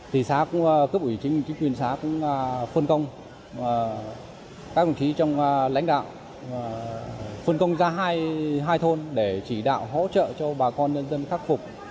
thì xã cũng cướp ủy chính quyền xã cũng phân công các quản trí trong lãnh đạo phân công ra hai thôn để chỉ đạo hỗ trợ cho bà con nhân dân khắc phục